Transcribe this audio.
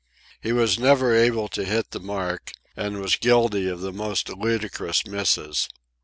He was never able to hit the mark, and was guilty of the most ludicrous misses.